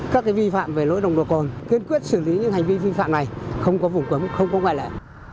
các vi phạm về lỗi nồng độ cồn kiên quyết xử lý những hành vi vi phạm này không có vùng cấm không có ngoại lệ